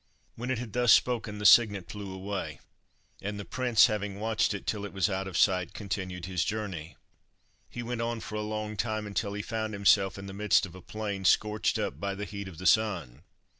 '" When it had thus spoken, the cygnet flew away, and the prince, having watched it till it was out of sight, continued his journey. He went on for a long time until he found himself in the midst of a plain scorched up by the heat of the sun.